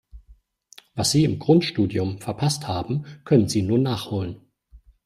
Was Sie im Grundstudium verpasst haben, können Sie nun nachholen.